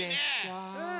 うん！